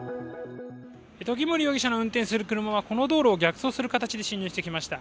時森容疑者の運転する車はこの道路を逆走する形で侵入してきました。